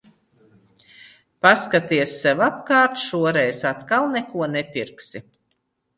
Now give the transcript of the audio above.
Paskaties sev apkārt, šoreiz atkal neko nepirksi?